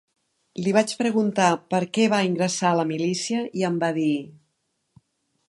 Li vaig preguntar per què va ingressar a la milícia i em va dir: